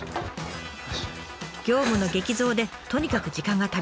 業務の激増でとにかく時間が足りません。